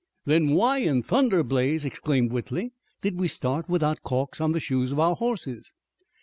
"Then why in thunder, Blaze," exclaimed Whitley, "did we start without calks on the shoes of our horses?"